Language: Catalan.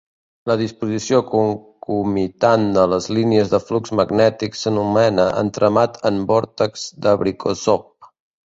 La disposició concomitant de les línies de flux magnètic s'anomena entremat en vòrtex d'Abrikosov.